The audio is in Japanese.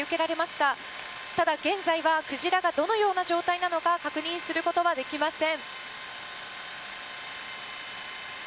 ただ現在はクジラがどのような状態なのか確認することはできません。